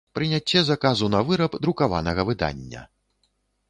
Прыняцце заказу на выраб друкаванага выдання